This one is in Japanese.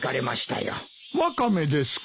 ワカメですか？